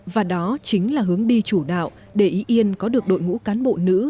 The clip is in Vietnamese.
và đó chính là hướng đi chủ đạo để y yên có được đội ngũ cán bộ nữ